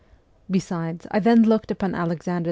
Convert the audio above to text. Besides, I then looked upon Alexander II.